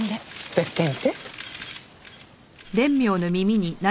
別件って？